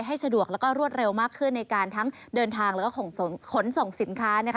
ให้สะดวกและรวดเร็วมากขึ้นในการทั้งเดินทางและขนส่งสินค้า